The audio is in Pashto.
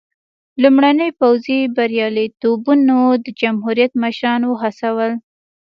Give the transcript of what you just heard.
لومړنیو پوځي بریالیتوبونو د جمهوریت مشران وهڅول.